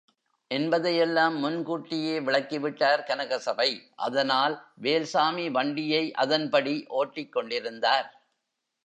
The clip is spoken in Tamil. என்பதையெல்லாம் முன் கூட்டியே விளக்கி விட்டார் கனகசபை அதனால் வேல்சாமி வண்டியை அதன்படி ஓட்டிக் கொண்டிருந்தார்.